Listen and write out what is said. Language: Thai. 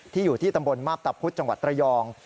อยู่ที่ตำบลมาพตะพุธจังหวัดระยอง